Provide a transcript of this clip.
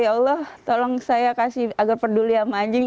ya allah tolong saya kasih agar peduli sama anjing